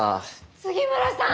杉村さん！